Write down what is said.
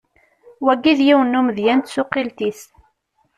Wagi d yiwen n umedya n tsuqqilt-is.